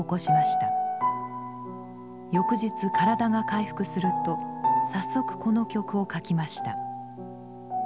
翌日体が回復すると早速この曲を書きました。